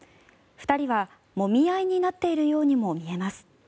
２人はもみ合いになっているようにも見えます。